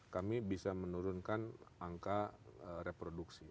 kami bisa menurunkan angka reproduksi